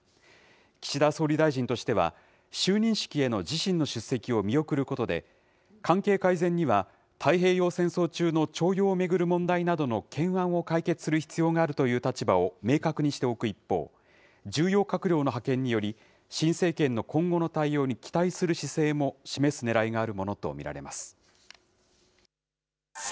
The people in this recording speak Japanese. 岸田総理大臣としては、就任式への自身の出席を見送ることで、関係改善には、太平洋戦争中の徴用を巡る問題などの懸案を解決する必要があるという立場を明確にしておく一方、重要閣僚の派遣により、新政権の今後の対応に期待する姿勢も示すねらいがあるものと見られます。